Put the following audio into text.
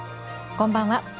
こんばんは。